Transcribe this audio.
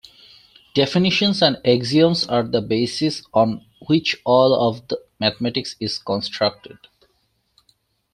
Definitions and axioms are the basis on which all of mathematics is constructed.